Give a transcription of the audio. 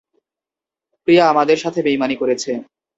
প্রিয়া আমাদের সাথে বেইমানী করেছে।